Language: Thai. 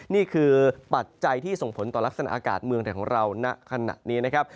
นี่คือปัจจัยที่ส่งผลต่อลักษณะอากาศเมืองไทยของเราณขณะนี้นะครับ